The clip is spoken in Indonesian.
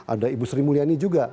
ada ibu sri mulyani juga